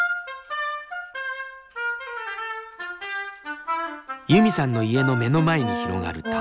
ユミさんの家の目の前に広がる田んぼ。